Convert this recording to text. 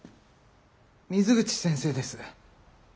水口先生です。